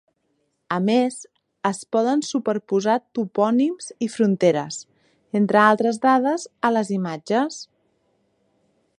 A més es poden superposar topònims i fronteres, entre altres dades, a les imatges.